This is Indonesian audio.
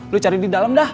lo cari di dalam dah